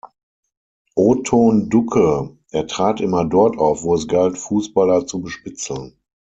O-Ton Ducke: "„Er trat immer dort auf, wo es galt, Fußballer zu bespitzeln.